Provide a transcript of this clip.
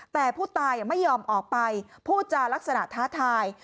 แต่ผู้ตายไม่ยอมออกไปพูดจารักษณะท้าทาย